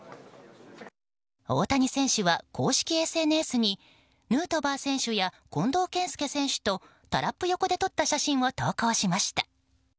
大谷選手は公式ＳＮＳにヌートバー選手や近藤健介選手とタラップ横で撮った写真を投稿しました。